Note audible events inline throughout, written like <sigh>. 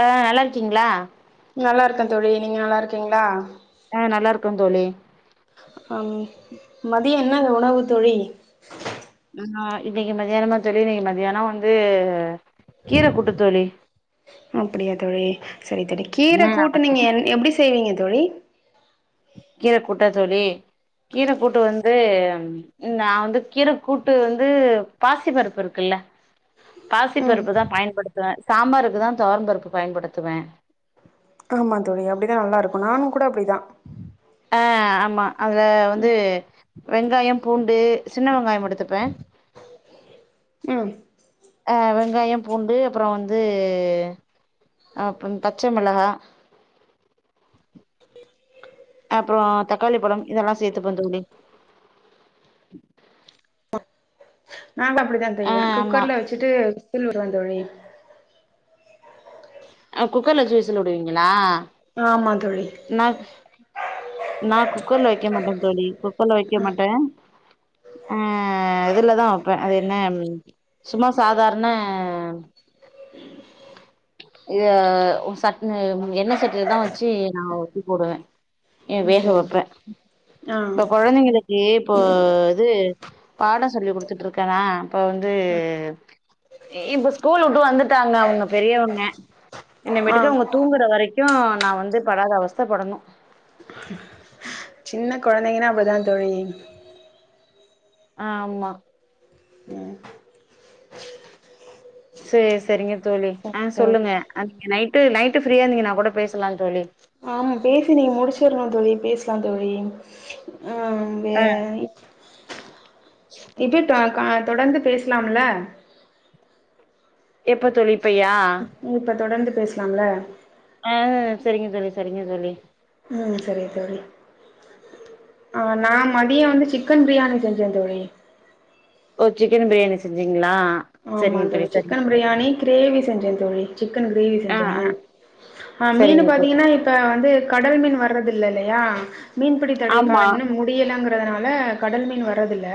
ஆ நல்லா இருக்கீங்களா நல்லா இருக்கே தோழி நீங்க நல்லா இருக் ங்களா நல்லா இருக்குறோ தோழி ஆ மதியம் என்ன உணவு தோழி ஆ இன்னைக்கு மத்தியானமா தோழி இன்னைக்கு மத்தியான வந்து கீர கூட்டு தோழி அப்படியா தோழி சரி ழோழி கீர ம் ஆமா கூட்டு நீங்க எப்படி செய்வீங்க தோழி கீர கூூட்ட தோழி கீர கூூட்டு வந்து நா வந்து கீர கூூட்டு வந்து பாசி பருப்பு இருக்குல்ல ம் பாசிப்பருப்பு தா பயன்படுத்துவ சாம்பாருக்கு தா தோர பருப்பு பயன்படுத்துவ ஆமா தோழி அப்படிதா நல்லா இருக்கு நானு கூட அப்படிதா ஆ ஆமா அதுல வந்து ம் வெங்காய பூண்டு சின்ன வெங்காய மட்டு எடுத்துப்பே ம் ஆ வெங்காயம் பூண்டு அப்புறோ வந்து அப்புன் பச்ச மெளகா அப்றோ தக்காளி பழம் இதெல்லா சேத்துப்பன் தோழி நாங்ளு அப்டித்தா ஆ செய்வோ ஆமா குக்கர்ல வச்சுட்டு விசில் உடுவேன் தோழி அ குக்கர்ல வச்சி விசில் உடுவிங்களா ஆமா தோழி நா குக்கர்ல வெக்க மாட்டே தோழி குக்கர்ல வெக்க மாட்டே ஆ இதுலதா வப்பேன் அது என்ன சும்மா சாதார்ண இதூ சட் எண்ண சட்டிலதா வச்சி நா உத்தி போடுவே எ ம் வேஹக சரி வெப்பே தோழி ஆ இப்ப கொழந்தைங்குளுக்கு இப்போ இது பாடம் சொல்லி குடுத்துட்டுருக்கனா இப்போ வந்து இப்ப ஸ்கூல் உட்டு வந்துட்டாங்க அவுங்க பெரியவங்க இன்னே ஆ மேட்டுக்கு அவுங்க தூங்குற வரைக் கு நா வந்து படாத அவஸ்த படனும் சின்ன கொழந்தைங்கன்னா அப்டிதா தோழி ஆமா. சேர் சேரிங்க தோழி சரி ஆ தோழி சொல்லுங்க நீங்க நைட்டு நைட்டு ஃப்ரியாந்திங்கனா கூட பேசலாம் தோழி ஆமா பேசி நீங் முடிச்சிற்லா தோழி பேஸ்லாம் தோழி ஆ வே ஆ இப்பிட்டான் ஆ தொடந்து பேசலாம்ல எப்ப தோழி இப்பயா பேஸ்லாம்ல ஆ செரிங்க தோழி செரிங்க தோழி ஊம் செரிங் தோழி ஆ நா மதியோ வந்து சிக்கன் பிரியாணி செஞ்சேன் தோழி ஓ சிக்கன் பிரியாணி செஞ்சிங்களா ஆமா தோழி சிக்கன் ப்ரியாணி க்ரேவி செஞ்சேன் தோழி சிக்கன் க்ரேவி ஆ செஞ்சேன் ஆ ஆ மீன்னு சரிங்க தோழி பாத்திங்னா இப்ப வந்து கடல் மீன் வர்றது இல்லையா மீன்பிடி தடை ஆமா காலம் இன்னும் முடியலங் றதனால கடல் மீன் வரதில்ல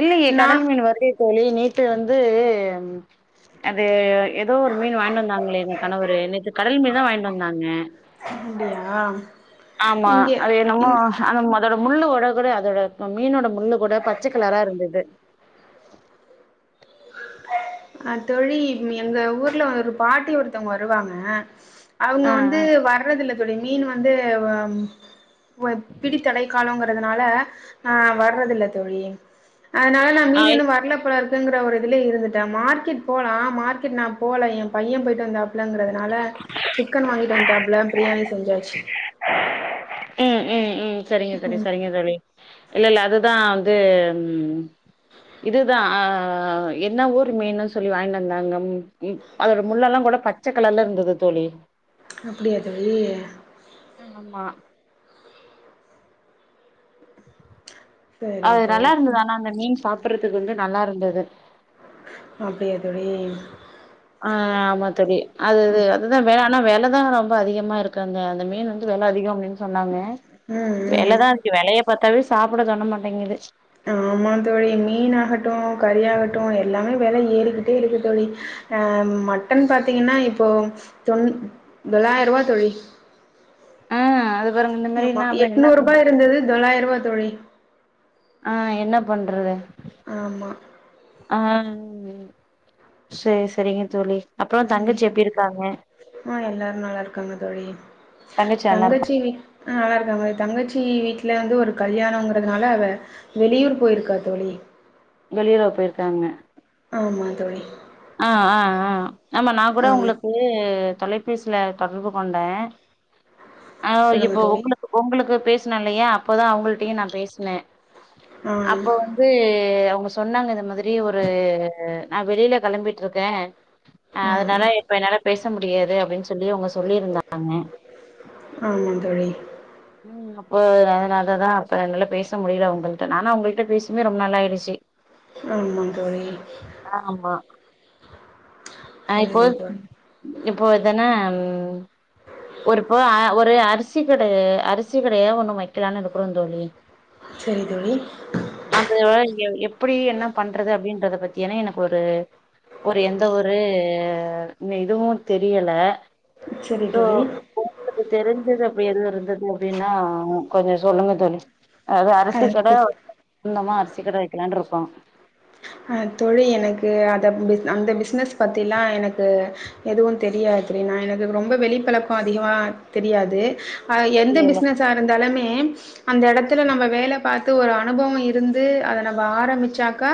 இல்லயே கடல் மீன் வருதே தோழி நேத் து வந்து அது எதோ ஒரு மீன் வாய்ன்னு வந்தாங்லே எங்க கணவரு நேத்து கடல் மீன் தான் வாய்ன்ட்டு வந்தாங்க அப்டியா ஆமா இங்க அது என்னமோ இங் அந்த ம அதோட முள்ளு ஒட கூட அதோட மீனோட முள்ளு கூட பச்சக் கலாரா இருந்தது அ தோழி எங்க ஊர்ல ஒரு பாட்டி ஒருத்தவங்க வருவாங்க அவங்க ஆ வந்து வர்றதில்ல தோழி மீன் வாங் வந்து வம் வ பிடித்தலை காலோங்கர றதுனால ஆஹ வர்றதில்ல தோழி அதனால நா ஆ மீன் இன்னு வரல போல இருக் <unintelligible> தில்லே இருந்துட்டே மார்கெட் போலா மார்க்கெட் நான் போல என் பையன் போயிட்டு வந்த இல்லங்கிறதுனால சிக்கன் வாங்கிட்டு வந் டப்ள பிரியாணி செஞ்சாச்சு உம் உம் உம் செரிங்க தோழி செரிங்க தோழி இல்லல்ல அதுதா வந்து உம் இதுதா ஆ ஆ என்ன ஊர் மீனு சொல்லி வாங்கின்டு வந்தாங்க ம் ம் அதோட முள்ளெல்லாங்கூட பச்சகலர்ல இருந்தது தோழி அப்படியா தோழி ஆமா சரி அது நல்லா தோழி இருந்தது ஆனா அந்த மீன் சாப்படறதுக்கு வந்து நல்லா இருந்தது து அப்டியா தோழி ஆஹ ஆமா தோழி அதுது அதுதா வேனா ஆனா வெலதா ரொம்ப அதிகமா இருக்கு அந்த அந்த மீனு வந்து வெல அதிகோ அப்டின்னு சொன்னாங்க ம் ம் வெலதா ந்தி வெலையப் ப்பாத்தாவே சாப்பட தோண மாட்டேங்குது ஆமா தோழி. வெல ஏறிக்கிட்டே இருக்கு தோழி ஆ மட்டன் பாத்தீங்கன்னா இப்போ தொன் தொள்ளாயிருபா தோழி <unintelligible> ஆமா மாரின்னா அப்புறம் என்ன எட்நூரூபா இருந்தது தொள்ளாயிரூபா தோழி ஆ என்ன பண்றது ஆமா ஆ சரி சரிங்க தோழி அப்ரோ தங்கச்சி எப்டி இருக்காங்க ஆ எல்லாரு நல்லா இருக்காங்க தோழி நல்லா இருக்கா தங்கச்சி வீட் ஆ நல்லார்க்காங்க தோழி தங்கச்சி வீட்டுல வந்து ஒரு ஒரு கல்யாணோங்றதுனால அவ வெளியூர் போயிருக்கா தோழி வெளியூர் போயிருக்காங்க. ஆமா தோழி ஆ ஆ ஆ ஆமா நா கூட ஆ உங்குளுக்கு. தொலைபேசில தொடர்பு கொண்ட ஆ சொல்லுங்க இப்போ தோழி. உங்குளுக்கு உங்குளுக்கு பேசனலையா அப்போதா அவுங்கள்டயோ நா பேஸ்ன ஆ. அப்ப வந்து அவுங்க சொன்னாங்க இது மாதிரி ஒரு நா வெளில கெளம்பிட்ருக்கே அ ஆ. அதனால இப்ப என்னால பேச முடியாது அப்டின்னு சொல்லி அவுங்க சொல்லியிருந்தாங்க. ஆமா தோழி. ம் அப்போ அதுனாலதா அப்ப என்னால பேச முடியுல உங்கள்ட்டா நானா உங்கள்ட்டா பேசியுமே ரொம்ப நாளாயிடுச்சு ஆமா தோழி அ சரி இப்போத் தோழி. இப்போ இத என்னே அ ஒருப்ப ஒரு அரிசி கட அரிசி கடையா ஒண்ணு வைக்கலான்னு இருக்கிறோ தோழி சரி தோழி அந்த எடோ இங்க எப் அப்டி என்ன பண்றது அப்டின்றத பத்தியான எனக்கு ஒரு ஒரு எந்த ஒரு இதுவும் தெரியுல சரி தோழி உங்குளுக்கு தெரிஞ்சது அப்ப என்ன இருந்து தெர்ஞ்சவுங்ளுக்கு அப்டீனா கொஞ்ஜோ சொல்லுங்க தோழி அது அ அரிசி கட சொந்தமா அரிசி சீக்கரோ வெக்கலான்ருக்கோ அஹ் தொழில் எனக்கு அத அந்த பிசினஸ் பத்தி எல்லா எனக்கு எதுவும் தெரியாது எனக்கு ரொம்ப வெளிப்பழக்கம் அதிகமா தெரியாது அ எந்த ம் பிஸ்னஸா இருந்தாலுமே அந்த இடத்துல நம்ம வேல பாத்து ஒரு அனுபவோ இருந்து அத நம்ம ஆரம்பிச்சாக்கா...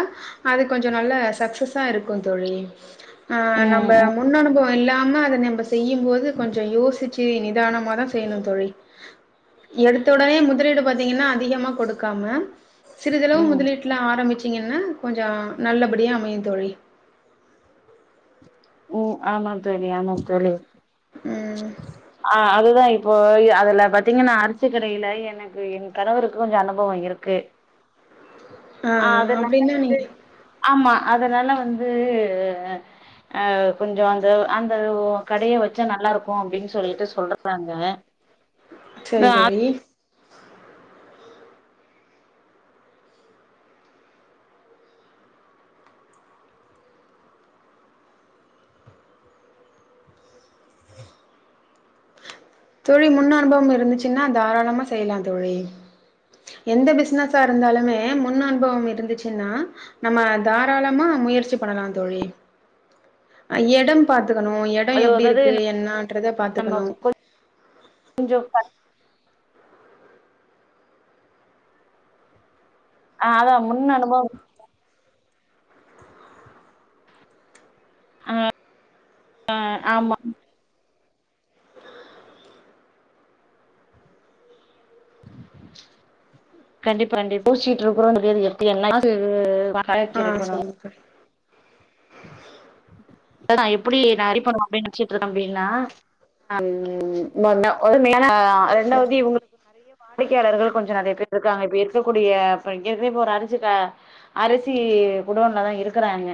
அது கொஞ்ஜோ நல்ல சக்சஸ்ஸா இருக்கோ தோழி ஆஹ் நம்ம ம் முன் அனுபவோ இல்லாம அ அத செய்யும்போது கொஞ்ஜோ யோசிச்சீ நிதானமா தா செய்யணும் தோழி எடுத்த உடனே முதலீடு பாத்தீங்கன்னா அதிகமா கொடுக்காம சிறிதளவு ம் முதலிட்ல ஆரம்பிச்சி ீங்கன்னா... கொஞ்ஜோ நல்லபடியா அமையு தோழி உம் ஆமா தோழி ஆமா தோழி ம் ஆ அது -போ இப்போ அதுல பாத்தீங்கன்னா அரிசு கடையில எனக்கு என் கணவருக்கு கொஞ்சம் அனுபவம் இருக்கு ஆ அதனால அப்டின்னா அது நீங்க ஆமா அதனால வந்து அவ் கொஞ்சம் அந்த அந்த ஓ கடைய வச்சா நல்லா இருக்கும் அப்டின்னு சொல்லிட்டு சொல்றாங்க அ சேரி தோழி தொழில் முன் அனுபவம் இருந்துச்சுன்னா தாராளமா செய்யலா தோழி எந்த பிசினஸா இருந்தாலுமே முன் அனுபவம் இருந்துச்சுன்னா நம்ம தாராளமா முயற்சி பண்ணலா தோழி எடம் ப -துக்கணும், எடம் அது எப்டி அதாவது இருக்கு என்னான்றத பாத்துக்கணும் கொஞ்சோ பர் ஆ அதா முன்ன அனுபவம் இருக்கா ஆஹ் ஆ ஆமா ம் கண்டிப்பா கண்டிப்பா ப்ளூ ஷீட் ப்ரோக்ராமுக்கு எது எப்ப என்னதா செய்யறது பா, ஆஹ் சொல்லுங்கா இப்ப நா எப்படி நா ரெடி பண்ணுவேன் அப்படின்னு நெனச்சிட்டு இருந்தேன் தம்பின்ன அது உ <unintelligible> ஆ சரி ரெண்டாவது இவங்களுக்கு <inaudible> வாடிக்கையாளர்கள் கொஞ்சம் நெறைய பேர் இருக்காங்க இப்ப இருக்கக்கூடிய இப்ப <unintelligible> அரிசி கா அரிசி குடோன்ல தா இருக்கிறாங்க